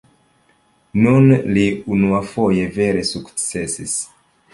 Nun li unuafoje vere sukcesis.